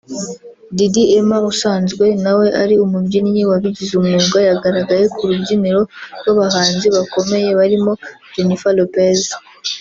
Diddi Emah usanzwe nawe ari umubyinnyi wabigize umwuga yagaragaye ku rubyiniro rw’abahanzi bakomeye barimo Jennifer Lopez